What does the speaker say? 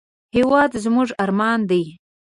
هېواد زموږ ارمان دی